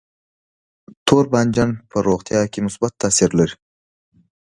تور بانجان په روغتیا کې مثبت تاثیر لري.